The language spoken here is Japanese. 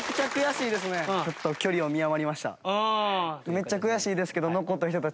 めっちゃ悔しいですけど。